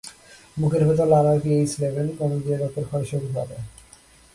মুখের ভেতর লালার pH level কমে গিয়ে দাঁতের ক্ষয় শুরু হবে।